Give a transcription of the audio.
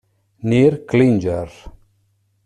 Nir Klinger